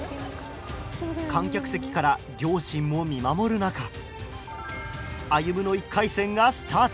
観客席から両親も見守る中ＡＹＵＭＵの１回戦がスタート。